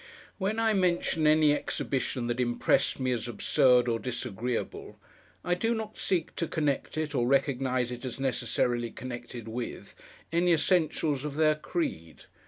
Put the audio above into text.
When I mention any exhibition that impressed me as absurd or disagreeable, I do not seek to connect it, or recognise it as necessarily connected with, any essentials of their creed.